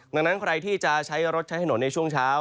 ดังนั้นใครที่จะใช้รถใช้ถนนในช่วงเช้า